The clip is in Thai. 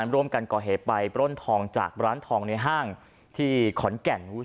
ร่วมกันก่อเหตุไปปล้นทองจากร้านทองในห้างที่ขอนแก่น